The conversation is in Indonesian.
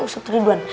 usap terlalu duan